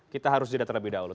kita harus didata lebih dahulu